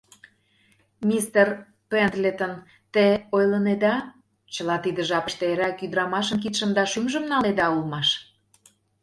— Мистер Пендлетон, те ойлынеда... чыла тиде жапыште эреак ӱдырамашын кидшым да шӱмжым налнеда улмаш?